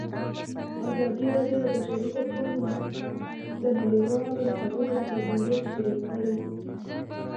ازادي راډیو د د بشري حقونو نقض د نړیوالو نهادونو دریځ شریک کړی.